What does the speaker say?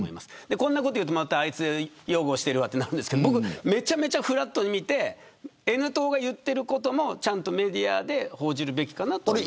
こんなことを言うとまた擁護しているとなるけどめちゃくちゃフラットに見てＮ党が言っていることもメディアで報じるべきかなと思います。